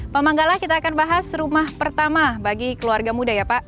pak manggala kita akan bahas rumah pertama bagi keluarga muda ya pak